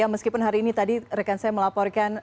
meskipun hari ini tadi rekan saya melaporkan